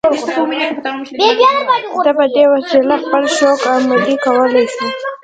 ده په دې وسیله خپل شوق عملي کولای شو